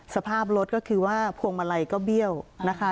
สภาพรถก็คือว่าพวงมาลัยก็เบี้ยวนะคะ